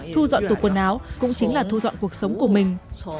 thu dọn tù quần áo cũng chính là thu dọn cuộc sống của mình